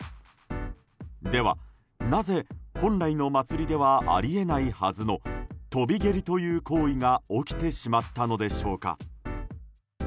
ではなぜ、本来の祭りではあり得ないはずの飛び蹴りという行為が起きてしまったのでしょうか。